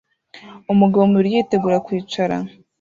Umugabo mubiryo yitegura kwicara